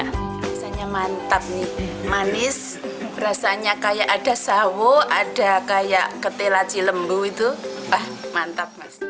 rasanya mantap nih manis rasanya kayak ada sawo ada kayak ketelaci lembu itu mantap mas